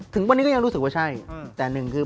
ถึงวันนี้ก็ยังรู้สึกว่าใช่แต่หนึ่งคือ